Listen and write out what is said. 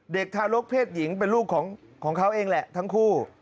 ทารกเพศหญิงเป็นลูกของเขาเองแหละทั้งคู่